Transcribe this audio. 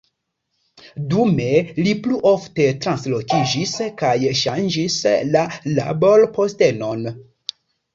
Dume li plu ofte translokiĝis, kaj ŝanĝis la laborpostenon.